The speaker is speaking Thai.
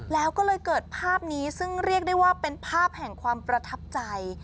แล้วก็เลยเกิดภาพนี้ซึ่งเรียกได้ว่าเป็นภาพแห่งความประทับใจ